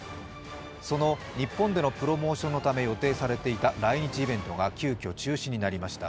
その日本でのプロモーションのため予定されていた来日イベントが急きょ中止になりました